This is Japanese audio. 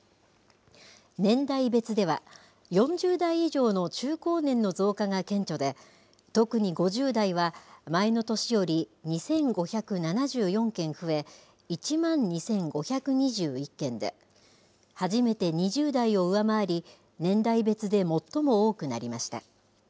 年代別では、４０代以上の中高年の増加が顕著で、特に５０代は、前の年より２５７４件増え、１万２５２１件で、初めて２０代を上回り、年代別で最も多くなりました。